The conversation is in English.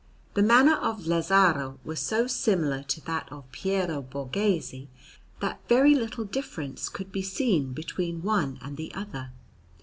The manner of Lazzaro was so similar to that of Piero Borghese, that very little difference could be seen between one and the other.